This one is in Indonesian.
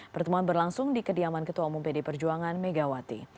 pertemuan berlangsung di kediaman ketua umum pd perjuangan megawati